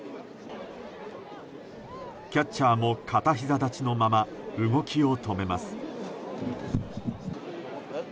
キャッチャーも片膝立ちのまま動きを止めます。